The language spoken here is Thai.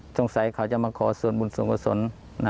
สงสัยเขาจะมาขอส่วนบุญส่วนกุศล